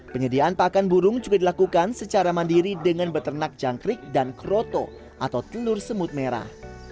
penyediaan pakan burung juga dilakukan secara mandiri dengan beternak jangkrik dan kroto atau telur semut merah